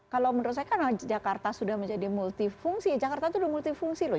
kalau menurut saya karena jakarta sudah menjadi multifungsi jakarta itu sudah multifungsi loh